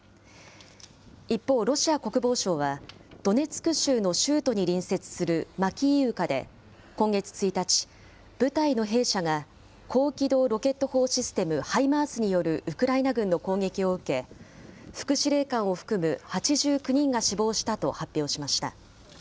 一方、ロシア国防省は、ドネツク州の州都に隣接するマキイウカで今月１日、部隊の兵舎が高機動ロケット砲システム・ハイマースによるウクライナ軍の攻撃を受け、副司令官を含む８９人が死亡したと発表しました。